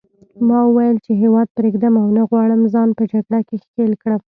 ما وویل چې هیواد پرېږدم او نه غواړم ځان په جګړه کې ښکېل کړم.